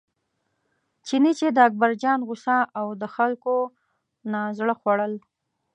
چیني چې د اکبرجان غوسه او د خلکو نه زړه خوړل.